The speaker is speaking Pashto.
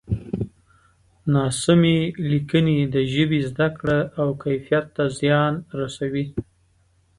ناسمې لیکنې د ژبې زده کړه او کیفیت ته زیان رسوي.